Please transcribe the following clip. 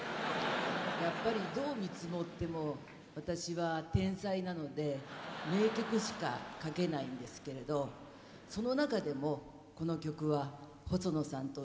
やっぱりどう見積もっても私は天才なので名曲しか書けないんですけれどその中でもこの曲は細野さんと一緒に演奏しました。